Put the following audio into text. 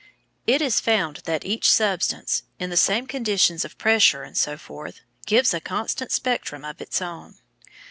It is found that each substance (in the same conditions of pressure, etc.) gives a constant spectrum of its own.